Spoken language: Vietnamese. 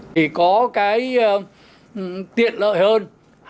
thì có cái tiện lợi hơn